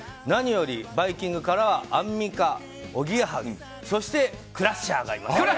何より「バイキング」からアンミカ、おぎやはぎそして、クラッシャーがいます。